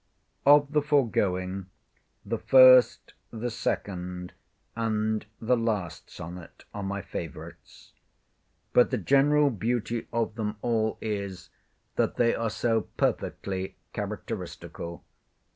] Of the foregoing, the first, the second, and the last sonnet, are my favourites. But the general beauty of them all is, that they are so perfectly characteristical.